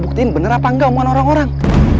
mau ngebuktiin bener apa enggak omongan orang orang